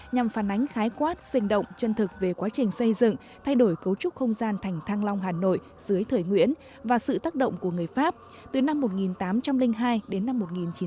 nhằm phản ánh khái quát sinh động chân thực về quá trình xây dựng thay đổi cấu trúc không gian thành thăng long hà nội dưới thời nguyễn và sự tác động của người pháp từ năm một nghìn tám trăm linh hai đến năm một nghìn chín trăm bảy mươi